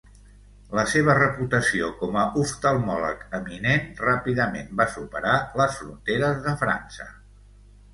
La seva reputació com a oftalmòleg eminent ràpidament va superar les fronteres de França.